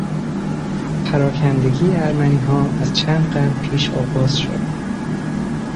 پراکندگی ارمنیها از چند قرن پیش آغاز شد.